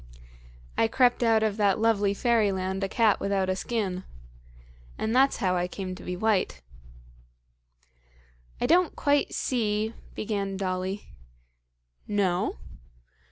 "I crept out of that lovely fairyland a cat without a skin. And that's how I came to be white." "I don't quite see " began Dolly. "No?